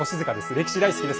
歴史大好きです。